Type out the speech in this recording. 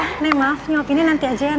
nenek maaf nyebabinnya nanti aja ya